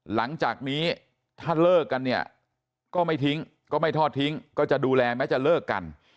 หลังจากนี้ถ้าเลิกกันเนี่ยก็ไม่ทิ้งก็ไม่ทอดทิ้งก็จะดูแลแม้จะเลิกกัน